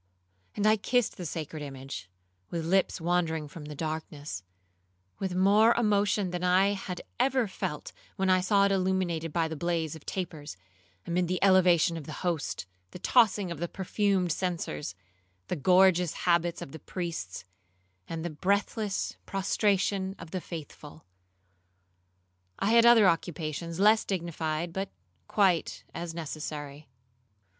'—and I kissed the sacred image (with lips wandering from the darkness) with more emotion than I had ever felt when I saw it illuminated by the blaze of tapers, amid the elevation of the Host, the tossing of the perfumed censers, the gorgeous habits of the priests, and the breathless prostration of the faithful. I had other occupations less dignified, but quite as necessary.